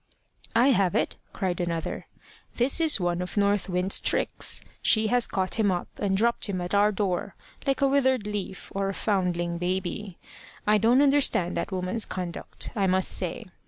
"I have it," cried another. "This is one of North Wind's tricks. She has caught him up and dropped him at our door, like a withered leaf or a foundling baby. I don't understand that woman's conduct, I must say.